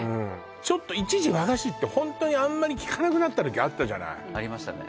ちょっと一時和菓子ってホントにあんまり聞かなくなった時あったじゃないありましたね